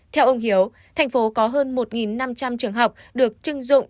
theo ông hiếu tp hcm có hơn một năm trăm linh trường học được chưng dụng